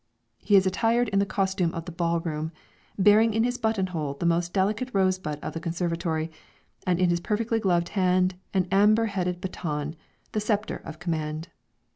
He is attired in the costume of the ball room, bearing in his button hole the most delicate rosebud of the conservatory, and in his perfectly gloved hand, an amber headed baton, the sceptre of command.